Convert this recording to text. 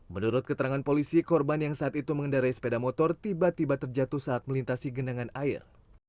menurut keterangan polisi korban yang saat itu mengendarai sepeda motor tiba tiba terjatuh saat melintasi genangan air